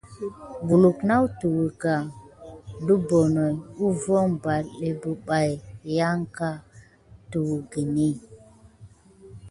Kulu na tuwunka ɗe bonoki huvon balté bebaye kidiko tiwukini.